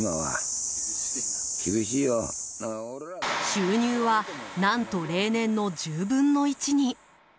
収入は何と例年の１０分の１に。